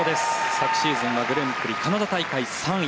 昨シーズンはグランプリ、カナダ大会３位。